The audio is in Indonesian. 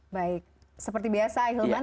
baik seperti biasa ahilman